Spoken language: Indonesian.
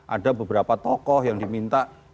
ada beberapa tokoh yang diminta